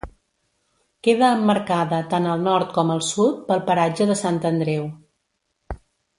Queda emmarcada tant al nord com al sud pel paratge de Sant Andreu.